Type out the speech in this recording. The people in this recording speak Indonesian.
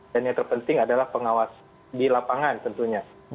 dan yang terpenting adalah pengawasan di lapangan tentunya